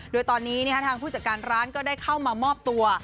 โดยตอนนี้ทางผู้จัดการร้านก็ได้เข้ามามอบตัว